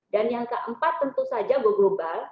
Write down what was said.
dan yang keempat tentu saja go global